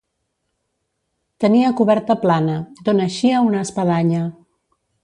Tenia coberta plana, d'on eixia una espadanya.